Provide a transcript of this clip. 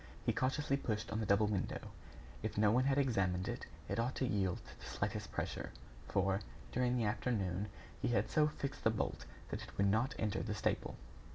He cautiously pushed on the double window. If no one had examined it, it ought to yield to the slightest pressure, for, during the afternoon, he had so fixed the bolt that it would not enter the staple.